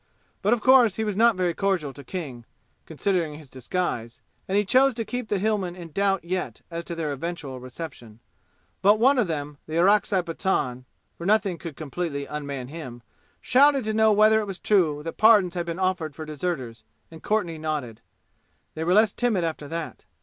But of course he was not very cordial to King, considering his disguise; and he chose to keep the Hillmen in doubt yet as to their eventual reception. But one of them, the Orakzai Pathan (for nothing could completely unman him), shouted to know whether it was true that pardons had been offered for deserters, and Courtenay nodded. They were less timid after that.